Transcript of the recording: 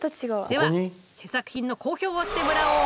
では試作品の講評をしてもらおう！